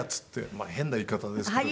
まあ変な言い方ですけど。